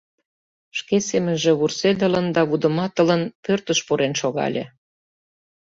Шке семынже вурседылын да вудыматылын, пӧртыш пурен шогале.